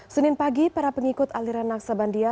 senin pagi para pengikut aliran naksabandia